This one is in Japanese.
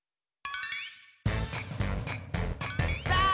さあ！